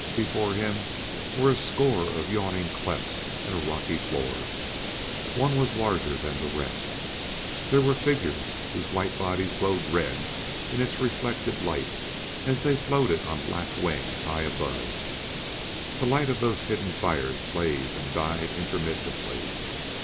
Before him were a score of yawning clefts in a rocky floor; one was larger than the rest; there were figures whose white bodies glowed red in its reflected light as they floated on black wings high above; the light of those hidden fires blazed and died intermittently.